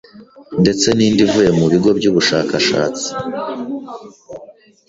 ndetse n'indi ivuye mu bigo by'ubushakashatsi